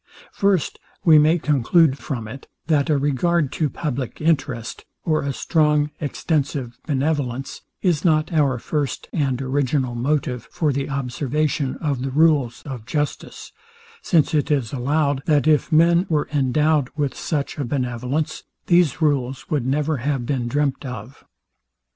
First, we may conclude from it, that a regard to public interest, or a strong extensive benevolence, is not our first and original motive for the observation of the rules of justice; since it is allowed, that if men were endowed with such a benevolence, these rules would never have been dreamt of.